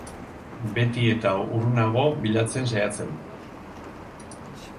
Beti eta urrunago bilatzen saiatzen.